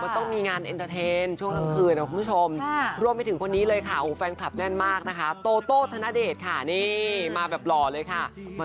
ต้องบอกว่าเต็มไปด้วยความรู้สึกตื้นตันใจเลยละค่ะ